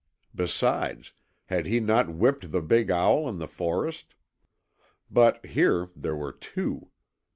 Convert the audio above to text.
Besides, had he not whipped the big owl in the forest? But here there were two.